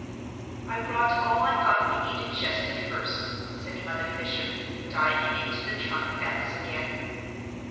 "I brought all I thought we needed just at first," said Mother Fisher, diving into the trunk depths again.